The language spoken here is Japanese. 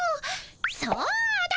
そうだ！